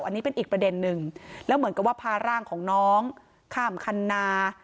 อันนี้เป็นอีกประเด็นนึงแล้วเหมือนกับว่าพาร่างของน้องข้ามคันนา